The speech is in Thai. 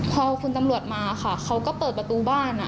พอคุณตำรวจมาค่ะเขาก็เปิดประตูบ้าน